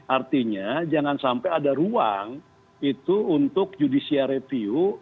artinya jangan sampai ada ruang untuk judisiare piu